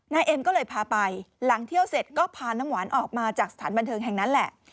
เอ็มก็เลยพาไปหลังเที่ยวเสร็จก็พาน้ำหวานออกมาจากสถานบันเทิงแห่งนั้นแหละ